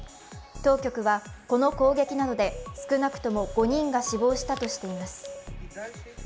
当局は、この攻撃などで少なくとも５人が死亡したとしています。